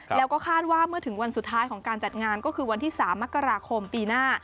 แล้วก็คาดว่าเมื่อถึงวันสุดท้ายของการจัดงานก็คือวันที่๓มกราคมปีหน้า